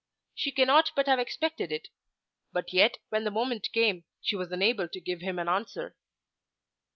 She cannot but have expected it. But yet when the moment came she was unable to give him an answer.